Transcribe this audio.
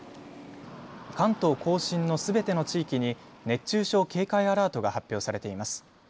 関東甲信のすべての地域に熱中症警戒アラートが発表されています。